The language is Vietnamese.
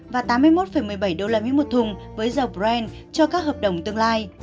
và tám mươi một một mươi bảy usd một thùng với dầu brent cho các hợp đồng tương lai